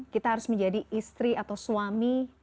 kita harus menjadi istri atau suami